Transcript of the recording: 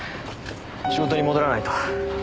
仕事に戻らないと。